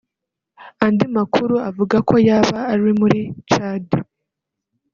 andi makuru akavuga ko yaba arui muri Chad